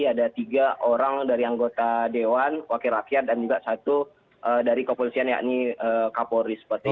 ada tiga orang dari anggota dewan wakil rakyat dan juga satu dari kepolisian yakni kapolri